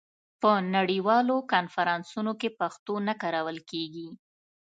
په نړیوالو کنفرانسونو کې پښتو نه کارول کېږي.